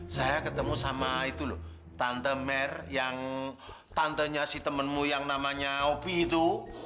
saya ketemu sama itu loh tante mer yang tantenya si temanmu yang namanya opi itu